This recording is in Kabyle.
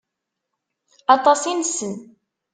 Aṭas i nessen.